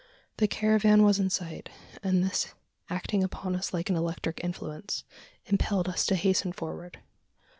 The caravan was in sight; and this, acting upon us like an electric influence, impelled us to hasten forward.